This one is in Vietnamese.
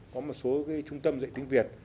có một số cái trung tâm dạy tiếng việt